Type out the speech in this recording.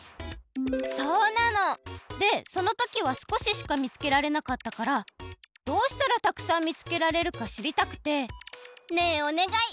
そうなの！でそのときは少ししか見つけられなかったからどうしたらたくさん見つけられるかしりたくて。ねえおねがい！